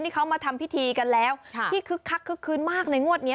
ที่เขามาทำพิธีกันแล้วที่คึกคักคึกคืนมากในงวดนี้